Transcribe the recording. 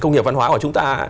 công nghiệp văn hóa của chúng ta